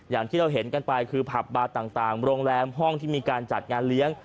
อย่างที่เราเห็นกันไปคือผับบาร์ต่างโรงแรมห้องที่มีการจัดงานเลี้ยง